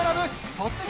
「突撃！